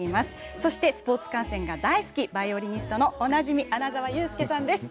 そして、スポーツ観戦が大好き、バイオリニストの穴澤雄介さんです。